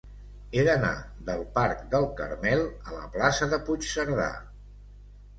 He d'anar del parc del Carmel a la plaça de Puigcerdà.